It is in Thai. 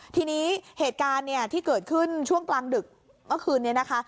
ทีนี้เหตุการณ์เนี่ยที่เกิดขึ้นช่วงกลางดึกเมื่อคืนนี้นะคะ